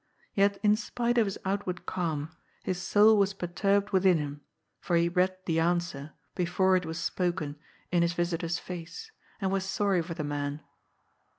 Yet in spite of his outward calm, his soul was perturbed within him, for he read the answer, before it was spoken, in his visitor's face, and was sorry for the man.